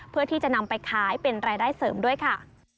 เพื่อที่จะนำไปขายเป็นรายได้เสริมด้วยค่ะ